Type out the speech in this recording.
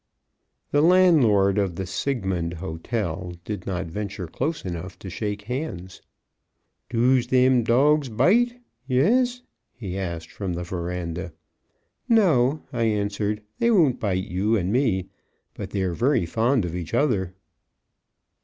The landlord of the Siegmund Hotel did not venture close enough to shake hands. "Doos them dogs bite yes?" he asked from the veranda. "No," I answered, "they won't bite you and me, but they are very fond of each other."